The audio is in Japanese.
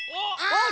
あっ！